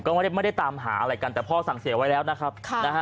ก็ไม่ได้ตามหาอะไรกันแต่พ่อสั่งเสียไว้แล้วนะครับ